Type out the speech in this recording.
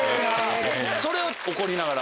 それを怒りながら？